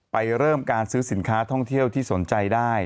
เริ่มการซื้อสินค้าท่องเที่ยวที่สนใจได้